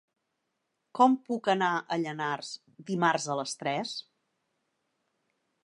Com puc anar a Llanars dimarts a les tres?